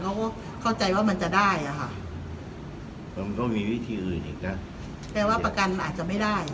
เขาก็เข้าใจว่ามันจะได้อ่ะค่ะมันก็มีวิธีอื่นอีกนะแปลว่าประกันมันอาจจะไม่ได้